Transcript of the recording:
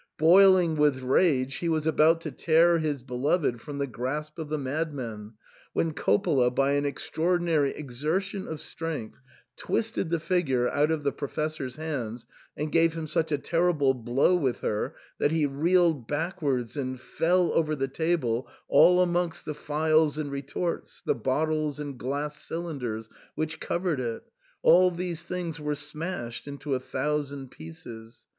Boiling with rage, he was about to tear his beloved from the grasp of the mad men, when Coppola by an extraordinary exertion of strength twisted the figure out of the Professor's hands and gave him such a terrible blow with her, that he reeled backwards and fell over the table all amongst the phials and retorts, the bottles and glass cylinders, which covered it : all these things were smashed into a thousand pieces.